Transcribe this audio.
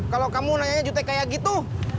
kalau kamu nanya jute kayak gitu